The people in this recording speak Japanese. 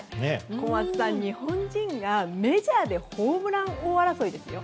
小松さん、日本人がメジャーでホームラン王争いですよ。